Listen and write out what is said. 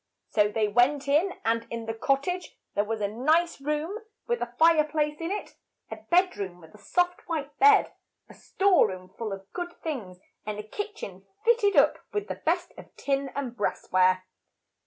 So they went in, and in the cot tage there was a nice room with a fire place in it, a bed room with a soft white bed, a store room full of good things, and a kitch en fit ted up with the best of tin and brass ware.